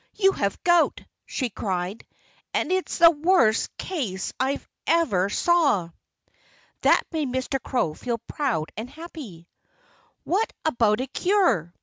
"You have gout!" she cried. "And it's the worst case I ever saw." That made Mr. Crow feel proud and happy. "What about a cure?"